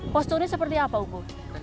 posturnya seperti apa umbu